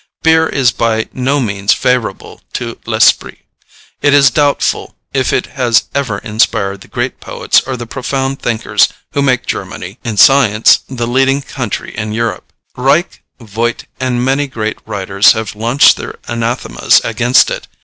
Beer is by no means favorable to l'esprit. It is doubtful if it has ever inspired the great poets or the profound thinkers who make Germany, in science, the leading country in Europe. Reich, Voigt, and many great writers have launched their anathemas against it.